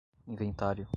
inventário